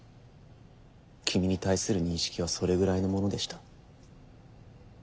君に対する認識はそれぐらいのものでした。